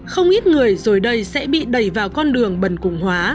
không ít người rồi đây sẽ bị đẩy vào con đường bần cùng hóa